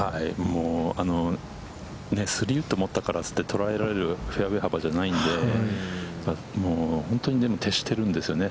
３番ウッドを持ったからといって捉えられるフェアウェイ幅じゃないので、本当に徹してるんですよね。